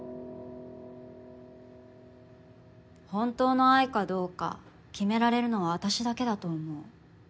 本当の愛かどうか決められるのは私だけだと思う。